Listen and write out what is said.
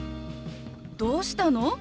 どうしたの？